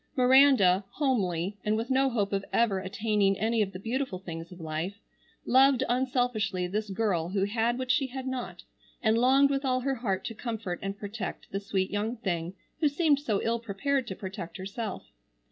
Miranda, homely, and with no hope of ever attaining any of the beautiful things of life, loved unselfishly this girl who had what she had not, and longed with all her heart to comfort and protect the sweet young thing who seemed so ill prepared to protect herself.